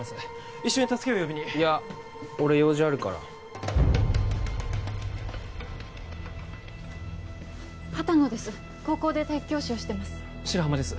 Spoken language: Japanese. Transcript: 一緒に助けを呼びにいや俺用事あるから畑野です高校で体育教師をしてます白浜です